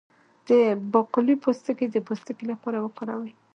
د باقلي پوستکی د پوستکي لپاره وکاروئ